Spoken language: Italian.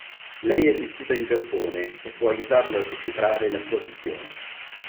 Lei è vissuta in Giappone e può aiutarlo a decifrare la sua visione.